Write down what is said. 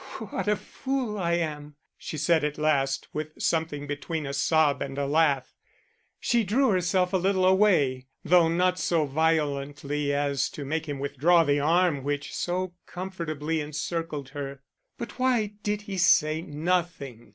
"What a fool I am," she said at last, with something between a sob and a laugh. She drew herself a little away, though not so violently as to make him withdraw the arm which so comfortably encircled her. But why did he say nothing?